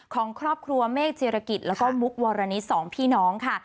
ของครอบครัวเมฆจิรกิจแล้วก็มุกวรณิตสองพี่น้องค่ะ